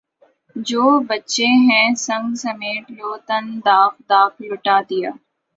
جو بچے ہیں سنگ سمیٹ لو تن داغ داغ لٹا دیا